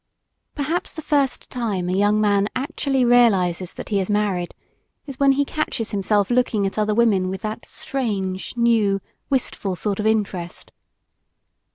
Perhaps the first time a young man actually realizes that he is married is when he catches himself looking at other women with that strange, new, wistful sort of interest.